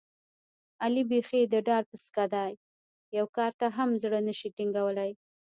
علي بیخي د ډار پسکه دی، یوه کار ته هم زړه نشي ټینګولی.